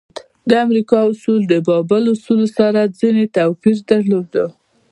د امریکا اصول د بابل اصولو سره ځینې توپیر درلود.